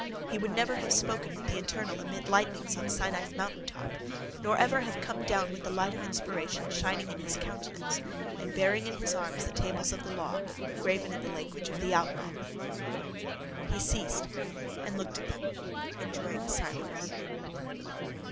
He would never have spoken with the Eternal amid lightnings on Sinai's mountaintop nor ever have come down with the light of inspiration shining in his countenance and bearing in his arms the tables of the law, graven in the language of the outlaw._ He ceased and looked at them, enjoying a silence.